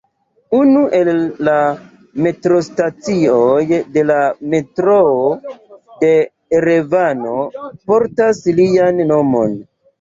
Unu el la metrostacioj de la metroo de Erevano portas lian nomon.